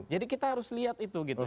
jadi kita harus lihat itu gitu